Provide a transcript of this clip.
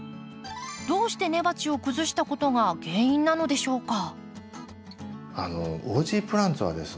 どうして根鉢を崩したことが原因なのでしょうか？